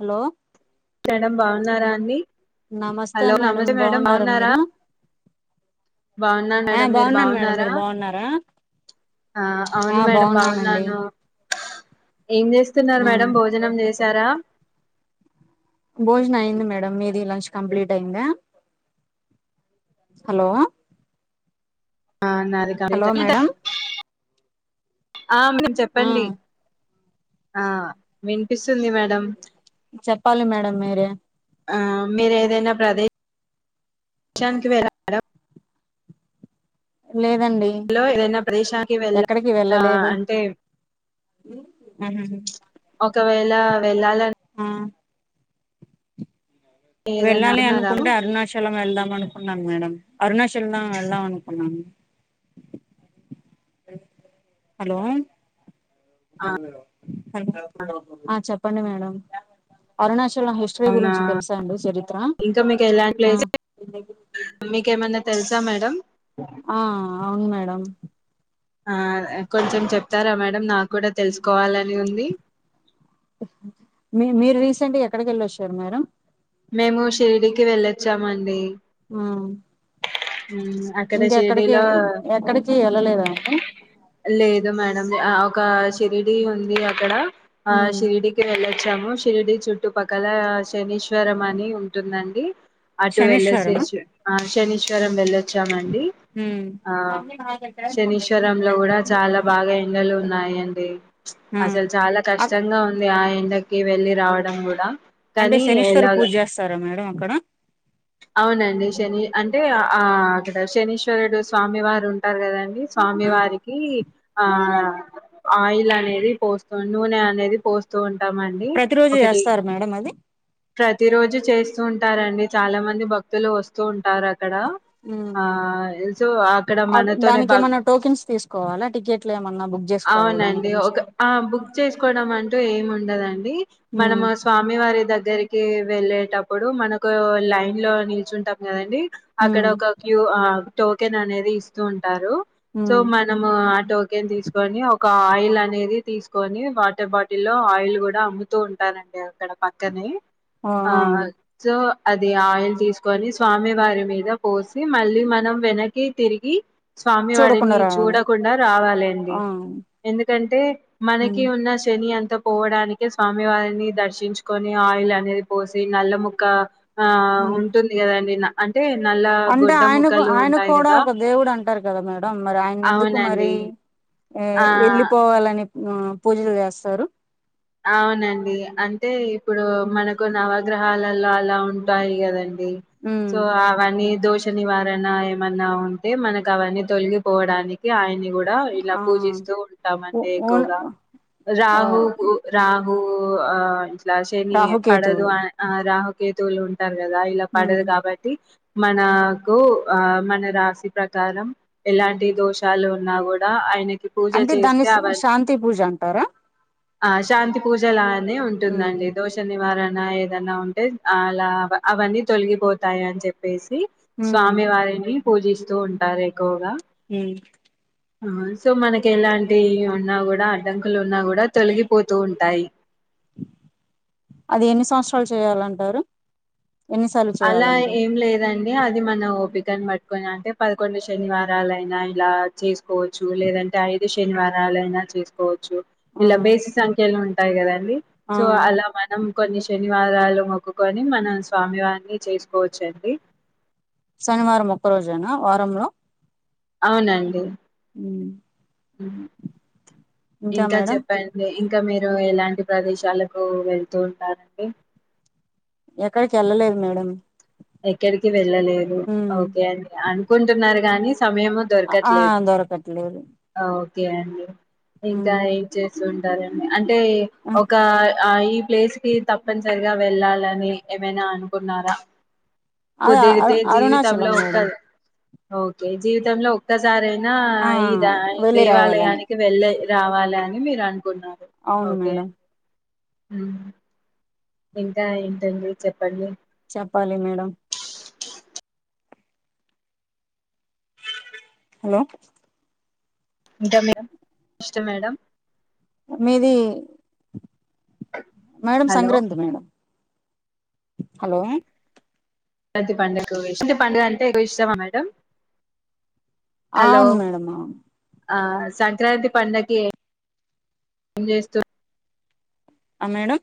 Hello madam బాగున్నారా అండి hello నమస్తే మేడం బాగున్నారా. బాగున్నా ఆ మేడం మీరు బాగున్నాను మేడం బాగున్నారా మీరు బాగున్నారా ఆ ఆ అవును మేడం బాగున్నానండి బాగున్నాను ఏం చేస్తున్నారు ఉమ్ మేడం భోజనం చేసారా. భోజనం అయింది మేడం మీది లంచ్ కంప్లీట్ అయిందా హలో ఆ నాది కంప్లీట్ హలో మేడం ఆ మేమ్ ఆ చెప్పండి ఆ వినిపిస్తుంది మేడం చెప్పాలి మేడం మీరే ఆ మీరు ఏదైనా ప్రదేశ ప్రదేశానికి వెల్లారా లే లో ఏదైనా ప్రదేశానికి వెళ్ళ ఆ అంటే హమ్ హమ్ ఒకవేళ వెళ్ళాలన్ హమ్ ఏదైనా వెళ్ళాలి అనుకున్నారా అనుకుంటే అరుణాచలం వెళ్దాం అనుకున్ నాన్ మేడం అరుణాచల్నా వెళ్దాం అనుకునము హలో ఆ ఆ చెప్ పండి మేడం అరుణాష్ తన హిస్టరీ అవునా గురించి తెలుసాండి చరిత్ర ఇంకా మీకు ఎలాంటి ప్లేస్ మీకేమన్నా తెలుసా మేడం ఆ అవును మేడం అదే కొంచెం చెప్తారా మేడం నాకు కూడా తెలుసుకోవాలని ఉంది. మీ మీరు రీసెంట్ గా ఎక్కడికి వెళ్ళొచ్చారు మేడం? మేము షిరీడికి వెళ్ళొచ్చామ్ అండి. ఆ అక్కడ ఇంకెక్కడికి షిరిడిలో ఎక్కడికి వెళ్ళలేదా అండి? లేదు మేడం ఆ ఒక షిరిడి ఉంది అక్కడ ఆ ఉమ్ శిరీడికి వెళ్లచ్చాము తీరిది చుట్టు పక్కల తెనిశ్వరం అని ఉంటుందండి అటు వెళ్ళసే శనీశ్వరమా [unintelligible] ఆ శని చరణ్ వెళ్ళే అచ్చం అండి ఉమ్ ఆ శేనిశ్వరం కూడా చాలా బాగా ఎండలు ఉన్నాయిండి ఆ అసలు చాలా అక్ కష్టంగా ఉంది. ఆ ఎండకి వెళ్లి రావడం కూడా. అంటే కానీ శనీశ్వర ఎలాల, పూజ చేస్తారా మేడం అక్కడ అవునండి శని అంటే ఆ అక్కడ శనిశ్వరుడు స్వామి వారు ఉంటారు కాదండి. ఆ స్వామివార్ కి ఆ ఆయిల్ అనేది పోస్టుంట్ నూనె అనేది పోస్తూ ఉన్ ప్రతి రోజు చేస్తారా మేడం అది? ప్రతి రోజు చేస్తూ ఉంటారండి. చాలా మంది భక్తులు వస్తూ ఉంటారు అక్ అక్కడ ఉమ్ ఆ సో అక్కడ మనతోనే దానికి బాగ్ ఏమన్నా టోకెన్స్ తీసుకోవాలా టికెట్లు ఏమన్నా బుక్ చేసుకోవాలి దాని అవునండి. గురించి ఒక ఆ బుక్ చేసుకోవడం అంటూ ఏం ఉండదం డి ఉమ్ మనము స్వామి వారి దగ్గ దగ్గరకు వెళ్లేటప్పుడు మనకు లైన్లో నిల్చుంటాము కదండీ ఉమ్ అక్కడొక క్యూ ఆ టోకెన్ అనేది ఇస్తూ ఉంటారు సో ఉమ్ మనము ఆ టోకెన్ తీసుకొని ఒక ఆయిల్ అనేది తీసుకొని వాటర్ బాటిల్ లో ఆయిల్ కూడా అమ్ముతూ ఉంటారండి అక్కడ పక్కనే ఆ సో అది ఆయిల్ తీసుకొని స్వామివారి మీద పోసి మళ్ళీ మనం వెనక్కి తిరిగి స్వామి చూడకుండా వడిని రావాలి చూడకుండా రావాలి అండి ఆ ఎందుకంటే మనకి ఉమ్ ఉన్న శని అ ంతా పోవడానికి స్వామివారిని దర్శించుకుని ఆయిల్ అనేది కోసం నల్ల ముక్క ఆ ఉమ్ ఉంటుంది కదండీ నా అంటే ఆయన ఆయన ఉంటాయి కూడా కదా ఒక దేవుడు అంటారు కదా మేడం మరి ఆయన ఎందుకు మరి అవునండి ఆ వెళ్ళిపోవాలని ఆ పూజలు చేస్తారు అవునండి అంటే ఇప్పుడు మనకు నవా గ్రహాలల్లో అలా ఉంటాయి కద ండి ఉమ్ సో అవని దోష నివారణ ఏమన్నా ఉంటే మనకి అవన్నీ తొలగిపోవడానికి అయన్ని కూడా ఇలా ఆ పూజిస్తూ ఓ- ఉంటామండి ఓన్ ఎక్కువగా ఆ రాహు నాకు ఆ శని పడదు రాహుకేతువులు ఆ రాహు కేతులున్ ఉంటారు కదా ఇలా ఉమ్ పడదు కాబట్టి మనకు మన రాశి ప్రకారం ఎలాంటి దోషాలు ఉన్నా కూడా ఆయన అంటే దాన్ని శాంతి పూజ అంటారా ఆ శాంతి పూజలా అనే ఉమ్ ఉంటుందండి దోష నివారణ ఏదన్నా ఉంటే అలా అవన్నీ తొలగిపోతాయి అని చెప్పే సి ఉమ్ స్వామి వారిని పూజిస్తూ ఉంటారు ఎక్కువగా ఉమ్ సో మనకి ఎలాంటివి ఉన్నా కూడా అడ్డంకులు ఉన్నా కూడా తొలగి పోతూ ఉంటాయి అది ఎన్ని సంవత్సరాలు చేయాలంటారు. ఎన్నిసార్లు అలా చేయాలంటారు ఏం లేదండి అది మనం ఓపికని పట్టుకొని అంటే పదకొండు శనివారాలు అయినా ఇలా చేసుకోవచ్చు. లేదంటే ఐదు శనివారాలు అయినా చేసుకోవచ్చు. ఆ ఇలా బేసి సంఖ్యలో ఉ ాదా ఆ [unintelligible] సో అలా మనం కొన్ని శనివారాలు మొక్కుకొని మనం స్వామివారి ఇ చేసుకోవచ్చండి శనివారం ఒక్క రోజేనా వారంలో అవునండి అ [inaudible] అ [unintelligible] ఇంకా మేడం చెప్పండి ఇం ఇంకా మీరు ఎలాంటి ప్రదేశాలకు వెళ్తూ ఉంటారండి. ఎక్కడికి వెళ్ళలేదు మేడం ఎక్కడికి వెళ్ళలేదు. ఉమ్ ఓకే అండి అనుకుంటున్నారు గానీ సమయము ఆ దొరకట్లేదు యండి ఇంకా ఉమ్ ఏం చేస్తుంటే సరేండి అంటే ఆ ఒక ఆ ఈ ప్లేస్ కి తప్పనిసరిగా వెళ్ళాలని ఏమైనా అనుకున్నారా. అద అ కుదిరితే జీవితంలో అరుణాచలం ఒక్క మేడం ఓకే జీవితంలో ఒక్కసారే అయినా ఆ ఇదా వెళ్ళి రావాలని దేవాలయానికి వెళ్ళే రావాలి అని మీరు అంట కున్నారు అవును ఓకే మేడం అ ఇంకా ఏంటండి చెప్పండి చెప్పాలి మేడం [unintelligible] హలో ఇంకా మే ఇష్ట మేడం మీది మేడం హలో సంగ్రాంధ్ మేడం హలో ప్రతి పండుగకు [unintelligible] పండుగ అంటే ఎకువ ఇష్టమా మేడం హలో అవును మేడమ్ అవును ఆ సంక్రాంతి పండకి ఏం చేస్తూ ఆ మేడం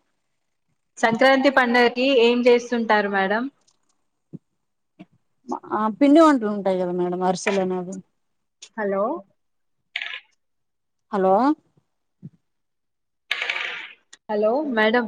సంక్రాంతి పండుగకి ఏం చేస్తుంటారు మేడం ఆ పిండి వంటలు ఉంటాయి కదా మేడం అరిసెలు అనేవి హలో హలో హలో మేడం